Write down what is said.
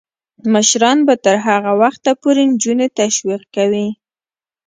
مشران به تر هغه وخته پورې نجونې تشویقوي.